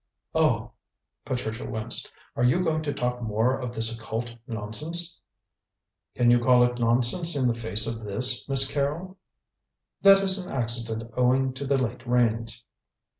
"Oh!" Patricia winced; "are you going to talk more of this occult nonsense?" "Can you call it nonsense in the face of this, Miss Carrol?" "That is an accident owing to the late rains."